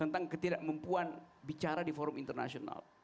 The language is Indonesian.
tentang ketidakmampuan bicara di forum internasional